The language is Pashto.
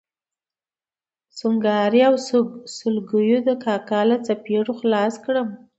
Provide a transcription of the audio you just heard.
سونګاري او سلګیو د کاکا له څپېړو خلاص کړم.